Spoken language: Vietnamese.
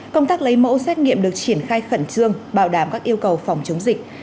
công tác lấy mẫu xét nghiệm được triển khai khẩn trương bảo đảm các yêu cầu phòng chống dịch